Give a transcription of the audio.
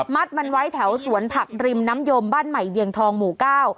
มัดมันไว้แถวสวนผักริมน้ำยมบ้านใหม่เวียงทองหมู่เก้า